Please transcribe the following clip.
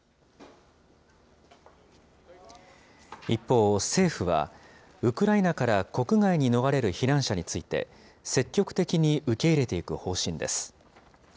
一方、政府はウクライナから国外に逃れる避難者について、積極的に受け入れていく方針です。